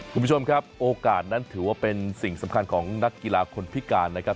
คุณผู้ชมครับโอกาสนั้นถือว่าเป็นสิ่งสำคัญของนักกีฬาคนพิการนะครับ